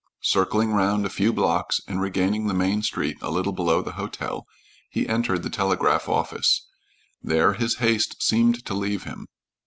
Circling round a few blocks and regaining the main street a little below the hotel, he entered the telegraph office. There his haste seemed to leave him.